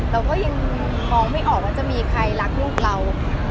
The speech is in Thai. เราก็ยังมองไม่ออกว่าจะมีใครรักลูกเรา